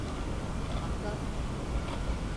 Hassas.